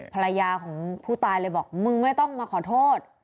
ภรรยาของผู้ตายเลยบอกมึงไม่ต้องมาขอโทษ